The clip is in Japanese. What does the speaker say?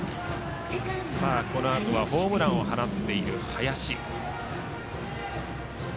このあとはホームランを放っている林。